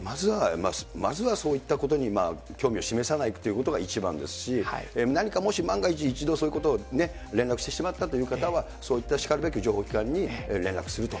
まずはそういったことに興味を示さないということが一番ですし、何かもし万が一、一度そういうことを連絡してしまったという方は、そういったしかるべき情報機関に連絡すると。